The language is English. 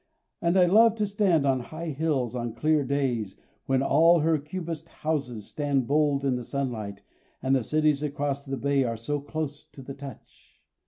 And I love to stand on high hills on clear days when all her cubist houses stand bold in the sunlight and the cities across the bay are so close to the touch.